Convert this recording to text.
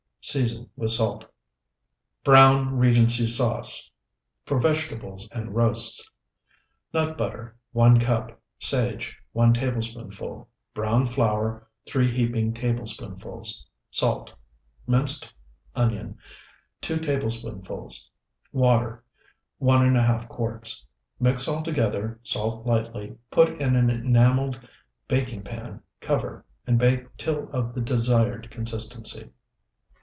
Season with salt. BROWN REGENCY SAUCE (For Vegetables and Roasts) Nut butter, 1 cup. Sage, 1 tablespoonful. Browned flour, 3 heaping tablespoonfuls. Salt. Minced onion, 2 tablespoonfuls. Water, 1½ quarts. Mix all together, salt lightly, put in an enameled baking pan, cover, and bake till of the desired consistency.